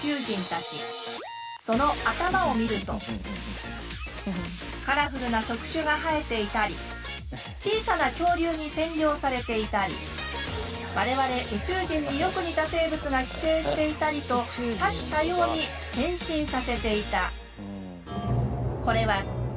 その頭を見るとカラフルな触手が生えていたり小さな恐竜に占領されていたり我々宇宙人によく似た生物が寄生していたりと多種多様に変身させていた。